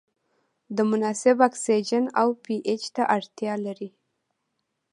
د مناسب اکسیجن او پي اچ ته اړتیا لري.